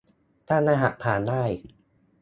ตั้งรหัสผ่านได้